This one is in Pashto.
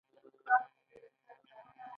بدرنګه چاپېریال خوشحالي وژني